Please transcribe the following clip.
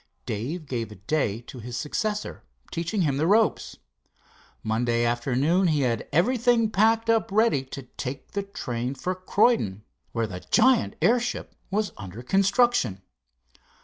Dave gave a day to his successor, teaching him the ropes. Monday afternoon he had everything packed up ready to take the train for Croydon, where the giant airship was under construction.